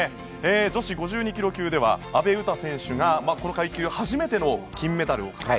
女子５２ｋｇ級では阿部詩選手が、この階級初めての金メダルを獲得。